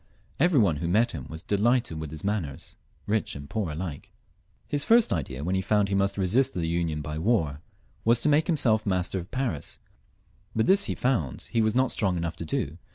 Every one who met him was delighted by his manners, rich and poor alike. His first idea, when he found he must resist the Union by war, was to make himself master of Paris ; but this he found he was not strong enough to do.